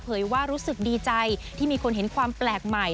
ว่ารู้สึกดีใจที่มีคนเห็นความแปลกใหม่